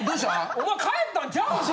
お前帰ったんちゃうんか？